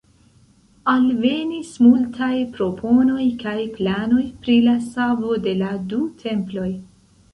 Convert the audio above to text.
Alvenis multaj proponoj kaj planoj pri la savo de la du temploj.